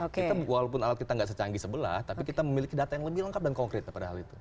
kita walaupun alat kita nggak secanggih sebelah tapi kita memiliki data yang lebih lengkap dan konkret daripada hal itu